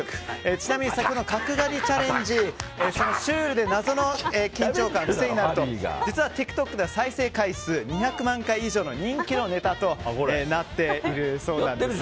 ちなみに先ほどの角刈りチャレンジそのシュールで謎の緊張感が癖になると実はＴｉｋＴｏｋでは再生回数２００万回以上の人気のネタとなっているそうです。